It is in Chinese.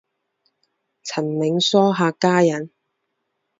陈铭枢客家人。